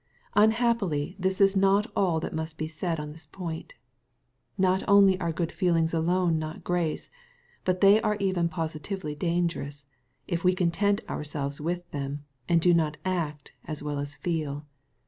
Unhappily this is not all that must be said on this point. Not only are good feelings alone not grace, but they are even positively dangerous, if we content our selves with them, and do not act as well SLB/eel.